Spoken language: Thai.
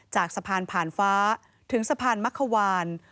จากสะพานผ่านฟ้าถึงสะพานมะขวาน